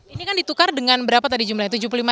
ini kan ditukar dengan berapa tadi jumlahnya